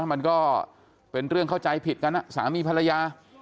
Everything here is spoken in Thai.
มันก็เป็นเรื่องเข้าใจผิดกันสามีภรรยา